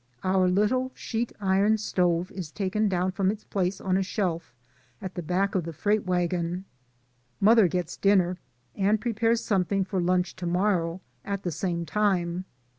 Our little sheet iron stove is taken down from its place on a shelf at the back of the freight wagon. Mother gets dinner and pre pares something for lunch to morrow, at the same time.